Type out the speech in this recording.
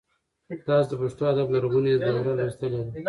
تاسو د پښتو ادب لرغونې دوره لوستلې ده؟